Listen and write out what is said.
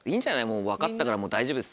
もう分かったから大丈夫です。